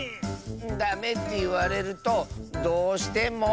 ダメっていわれるとどうしても。